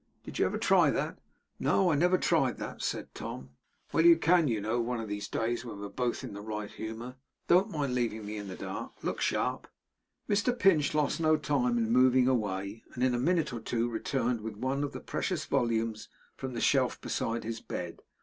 Did you ever try that?' 'No, I never tried that,' said Tom 'Well! You can, you know, one of these days when we're both in the right humour. Don't mind leaving me in the dark. Look sharp!' Mr Pinch lost no time in moving away; and in a minute or two returned with one of the precious volumes from the shelf beside his bed.